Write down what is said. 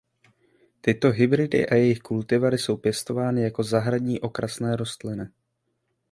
Tyto hybridy a jejich kultivary jsou pěstovány jako zahradní okrasné rostliny.